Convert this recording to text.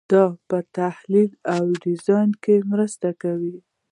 دا په تحلیل او ډیزاین کې مرسته کوي.